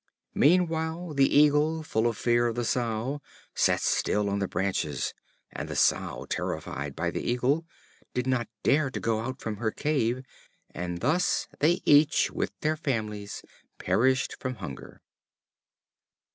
Meanwhile, the Eagle, full of fear of the Sow, sat still on the branches, and the Sow, terrified by the Eagle, did not dare to go out from her cave; and thus they each, with their families, perished from hunger.